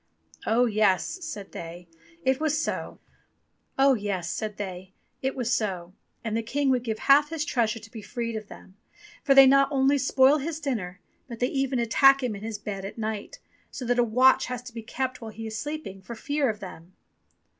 "Oh yes," said they, it was so, and the King would give half his treasure to be freed of them, for they not only spoil his dinner, but they even attack him in his bed at night, so that a watch has to be kept while he is sleeping, for fear of them."